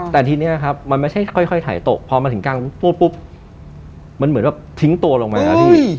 แต่ทีนี้ครับมันไม่ใช่ค่อยถ่ายตกพอมาถึงกลางปุ๊บมันเหมือนแบบทิ้งตัวลงไปครับพี่